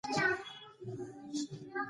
هغه د الله نوازخان د پلار په کور کې لوی شوی.